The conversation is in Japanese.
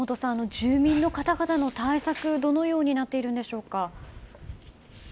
住民の方々の対策はどのようになっているんでしょうか。